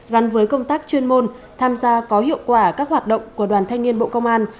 gắn với công tác chuyên môn tham gia có hiệu quả các hoạt động của đoàn thanh niên bộ công an